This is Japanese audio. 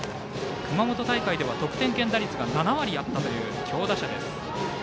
熊本大会では得点圏打率が７割あったという強打者。